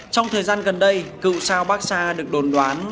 trong thời gian gần đây cựu sao baxa được đồn đoán